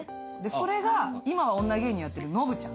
それが今は女芸人やってるのぶちゃん。